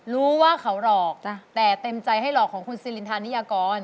รู้ว่าเขาหลอกนะแต่เต็มใจให้หลอกของคุณซิลินทานิยากร